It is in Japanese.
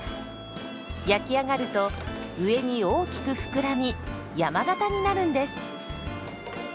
焼き上がると上に大きく膨らみ山型になるんです。